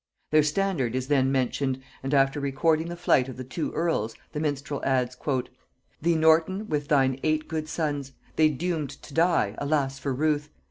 Their standard is then mentioned: and after recording the flight of the two earls, the minstrel adds, "Thee Norton with thine eight good sons They doomed to die, alas for ruth!